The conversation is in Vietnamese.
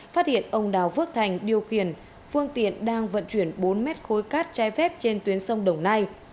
phát hiện ông đào phước thành điều khiển phương tiện đang vận chuyển bốn mét khối cát trái phép trên tuyến sông đồng nai